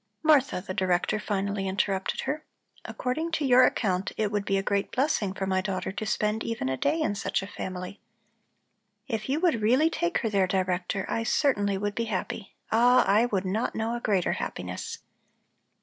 "Martha," the Director finally interrupted her, "according to your account, it would be a great blessing for my daughter to spend even a day in such a family." "If you would really take her there, Director, I certainly would be happy ah! I would not know a greater happiness."